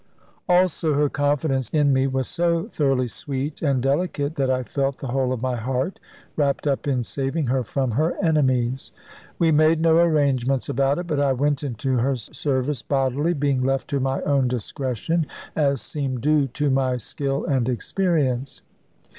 Also her confidence in me was so thoroughly sweet and delicate, that I felt the whole of my heart wrapped up in saving her from her enemies. We made no arrangements about it; but I went into her service bodily, being left to my own discretion, as seemed due to my skill and experience.